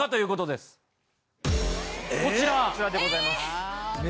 こちらでございます。